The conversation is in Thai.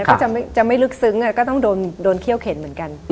ก็จะไม่ลึกซึ้งก็ต้องโดนเขี้ยวเข็นเหมือนกัน